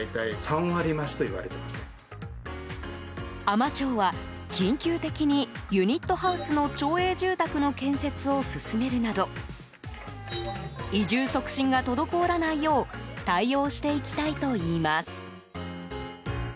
海士町は、緊急的にユニットハウスの町営住宅の建設を進めるなど移住促進が滞らないよう対応していきたいといいます。